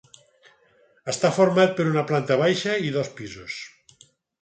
Està format per una planta baixa i dos pisos.